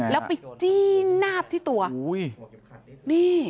แล้วไปจี้นาบที่ตัวอุ้ยนี่